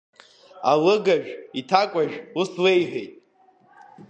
Алыгажә иҭакәажә ус леиҳәеит…